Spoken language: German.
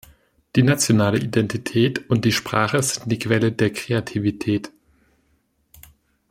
Die nationale Identität und die Sprache sind die Quelle der Kreativität.